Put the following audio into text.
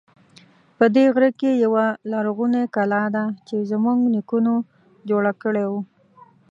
په دې غره کې یوه لرغونی کلا ده چې زمونږ نیکونو جوړه کړی و